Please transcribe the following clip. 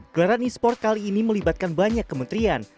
gelaran e sport kali ini melibatkan banyak kementerian